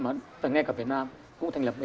và ngay cả việt nam cũng thành lập